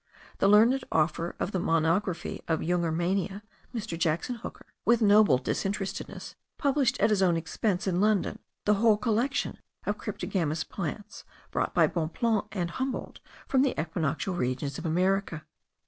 The learned author of the Monography of the Jungermanniae (Mr. Jackson Hooker), with noble disinterestedness, published at his own expense, in London, the whole collection of cryptogamous plants, brought by Bonpland and Humboldt from the equinoctial regions of America.)